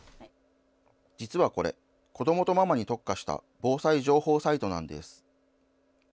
実はこれ、子どもとママに特化した防災情報サイトなんです。